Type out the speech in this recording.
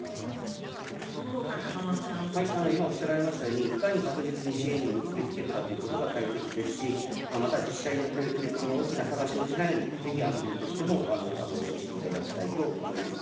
今おっしゃられましたように、いかに確実に支援に結び付けるかということが大切ですし、また自治体によって、取り組みに大きな差が生じないように、ぜひ国としても後押しをしていただきたいと思います。